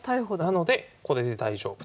なのでこれで大丈夫と。